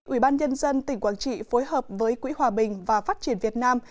ủy ban nhân dân tỉnh quảng trị phối hợp với quỹ hòa bình và phát triển việt nam